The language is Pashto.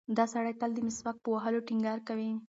دا سړی تل د مسواک په وهلو ټینګار کوي.